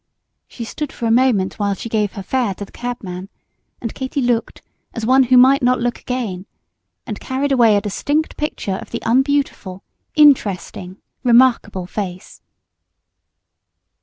She stood for a moment while she gave her fare to the cabman, and Katy looked as one who might not look again, and carried away a distinct picture of the unbeautiful, interesting, remarkable face.